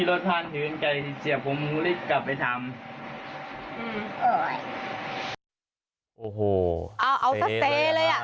โอ้โหเอาเอาซะเตเลยอ่ะ